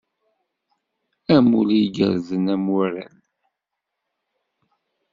Amulli igerrzen a Muirel!